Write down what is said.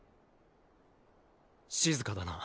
静かだな。